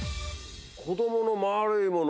子どもの丸いもの。